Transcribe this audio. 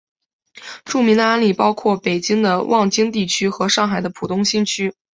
著名的案例包括北京的望京地区和上海的浦东新区。